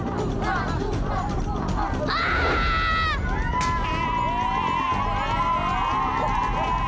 jalan loli jalan loli